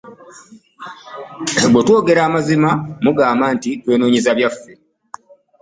Bwe twogera amazima mugamba twenoonyeza byaffe.